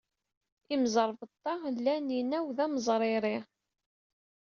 Imẓerbeḍḍa lan inaw d ameẓriri.